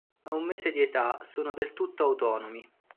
A un mese di età sono del tutto autonomi.